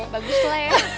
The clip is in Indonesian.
bagus lah ya